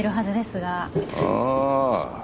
ああ。